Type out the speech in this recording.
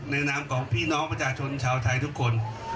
นามของพี่น้องประชาชนชาวไทยทุกคน